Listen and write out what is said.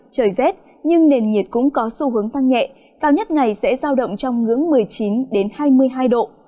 trời rét nhưng nền nhiệt cũng có xu hướng tăng nhẹ cao nhất ngày sẽ giao động trong ngưỡng một mươi chín hai mươi hai độ